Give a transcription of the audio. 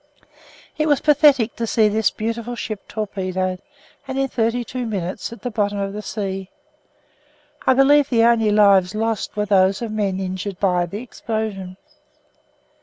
It was pathetic to see this beautiful ship torpedoed and in thirty two minutes at the bottom of the sea. I believe the only lives lost were those of men injured by the explosion.